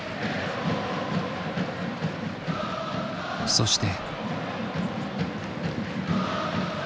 そして。